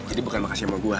ini bukan makasih sama gue